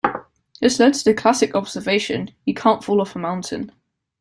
This led to the classic observation, You can't fall off a mountain.